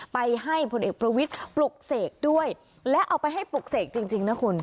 ไปให้ผลเอกประวิทย์ปลุกเสกด้วยและเอาไปให้ปลุกเสกจริงนะคุณ